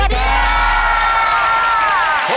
สวัสดีครับ